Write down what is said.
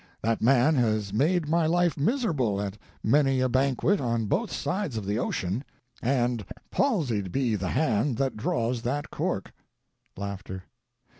That man has made my life miserable at many a banquet on both sides of the ocean, and palsied be the hand that draws that cork. [Laughter.